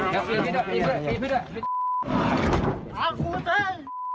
ใช่อย่างงี้เนี่ยคนกฎ